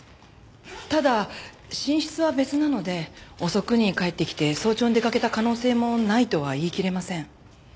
ただ寝室は別なので遅くに帰ってきて早朝に出かけた可能性もないとは言いきれません。